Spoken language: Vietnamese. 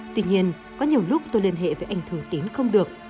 tuy nhiên có nhiều lúc tôi liên hệ với anh thường tín không được